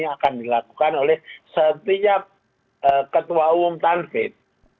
akan dilakukan oleh setiap ketua umum tanfin